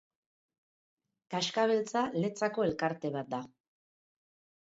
Kaxkabeltza Letzako elkarte bat da.